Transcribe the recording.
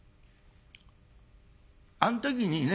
あん時にね